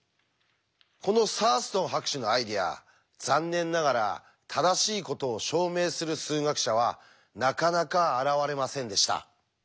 このサーストン博士のアイデア残念ながら正しいことを証明する数学者はなかなか現れませんでした。